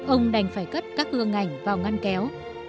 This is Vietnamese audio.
ông đành phải cất các gương ảnh vào ngăn kéo